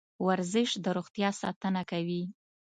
ورزش د روغتیا ساتنه کوي.